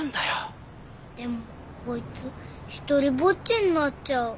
でもこいつ独りぼっちになっちゃう。